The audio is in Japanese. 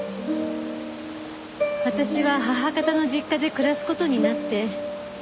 私は母方の実家で暮らす事になって。